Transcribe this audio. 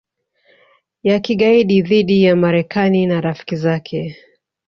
ya kigaidi dhidi ya Marekani na rafiki zake